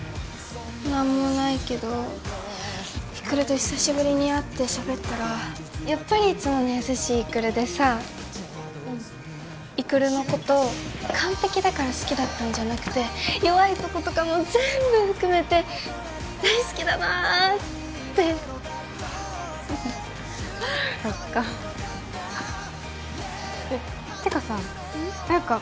何もないけど育と久しぶりに会ってしゃべったらやっぱりいつもの優しい育でさうん育のこと完璧だから好きだったんじゃなくて弱いとことかも全部含めて大好きだなってそっかねえってかさ彩花